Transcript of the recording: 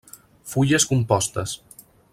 Fulles compostes.